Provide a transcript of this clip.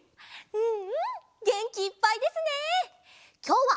うん！